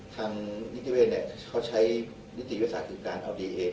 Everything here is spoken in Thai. ทางนิติเวศเขาใช้นิติวิทยาศาสตร์คือการเอาดีเอน